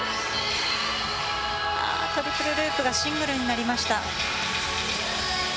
あトリプルループがシングルになりました。